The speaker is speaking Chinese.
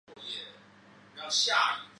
她第一次上台是演死尸。